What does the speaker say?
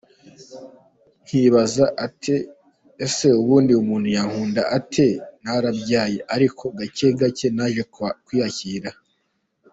Nkibaza nti ese ubundi umuntu yankunda ate narabyaye, ariko gake gake naje kwiyakira.